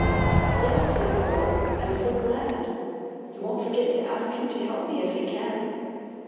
"Yes," said the Girl. "I'm so glad. You won't forget to ask him to help me if he can?"